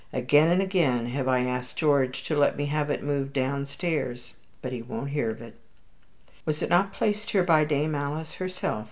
Again and again have I asked George to let me have it moved downstairs, but he won't hear of it." "Was it not placed here by Dame Alice herself?"